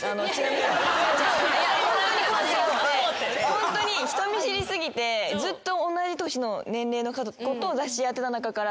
ホントに人見知り過ぎてずっと同い年の年齢の子と雑誌やってた中から。